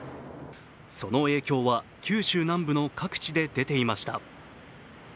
その影響は九州南部の各地で出ていました。